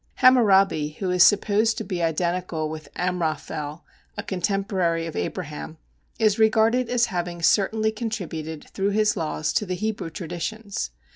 Hammurabi, who is supposed to be identical with Amraphel, a contemporary of Abraham, is regarded as having certainly contributed through his laws to the Hebrew traditions.